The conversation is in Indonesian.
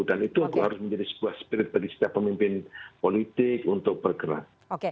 dan itu harus menjadi sebuah spirit bagi setiap pemimpin politik untuk bergerak